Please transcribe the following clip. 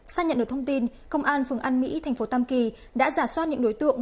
sau nhận được thông tin công an phường an mỹ thành phố tam kỳ đã giả soát những đối tượng